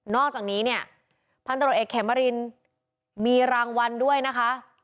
อกจากนี้เนี่ยพันตรวจเอกเขมรินมีรางวัลด้วยนะคะ